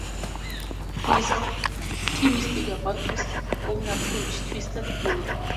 He is optimistic about his own approach, twistor theory.